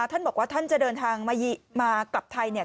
ท่านบอกว่าท่านจะเดินทางมากลับไทยเนี่ย